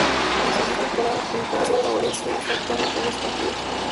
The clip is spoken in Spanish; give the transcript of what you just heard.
En sus diez temporadas con la camiseta "auriazul" faltó a muy pocos partidos.